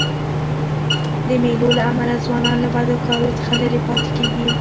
د مېلو له امله ځوانان له بدو کارو څخه ليري پاته کېږي.